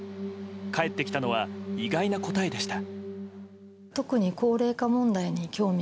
返ってきたのは意外な答えでした。